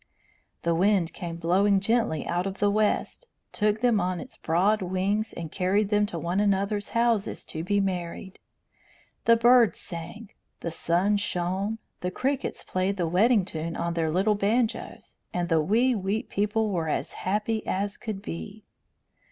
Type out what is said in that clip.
The wind came blowing gently out of the West, took them on its broad wings, and carried them to one another's houses to be married. The birds sang, the sun shone, the crickets played the wedding tune on their little banjos, and the wee wheat people were as happy as could be.